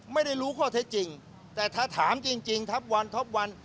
ไม่ได้รู้ข้อเท็จจริงแต่ถ้าถามจริงจริงทับวันทับวัน